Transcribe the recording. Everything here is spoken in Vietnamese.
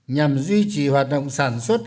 nhằm duy trì hoạt động sản xuất